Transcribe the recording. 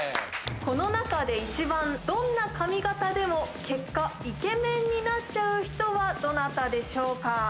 この中で１番どんな髪型でも結果イケメンになっちゃう人はどなたでしょうか？